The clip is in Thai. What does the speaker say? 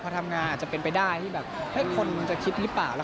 พอทำงานอาจจะเป็นไปได้ที่แบบคนจะคิดหรือเปล่า